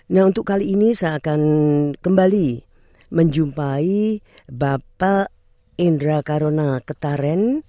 nah untuk kali ini saya akan kembali menjumpai bapak indra karona ketaren